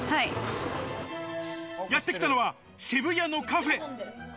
やってきたのは渋谷のカフェ。